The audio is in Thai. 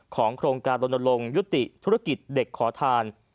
โครงการลนลงยุติธุรกิจเด็กขอทาน